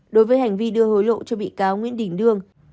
đối với hành vi đưa hối lộ cho bị cáo nguyễn đình đương